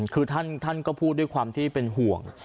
คือท่านก็พูดด้วยความที่เป็นห่วง